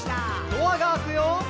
「ドアが開くよ」